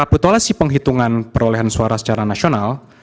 dalam hal rekapitulasi penghitungan perolehan suara secara nasional